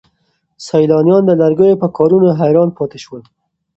سیلانیان د لرګیو په کارونو حیران پاتې شول.